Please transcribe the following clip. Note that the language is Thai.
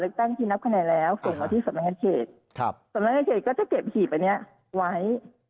ตั้งที่นับคะแนนแล้วส่งมาที่สำนักงานเขตสำนักงานเขตก็จะเก็บหีบอันนี้ไว้